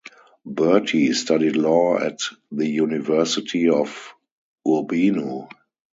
Berti studied law at the University of Urbino.